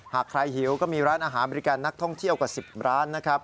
หากใครหิวก็มีร้านอาหารบริการนักท่องเที่ยวกว่า๑๐ร้านนะครับ